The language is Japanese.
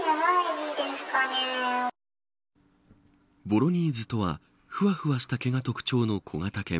ボロニーズとはふわふわした毛が特徴の小型犬。